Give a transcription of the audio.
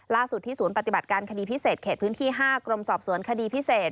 ที่ศูนย์ปฏิบัติการคดีพิเศษเขตพื้นที่๕กรมสอบสวนคดีพิเศษ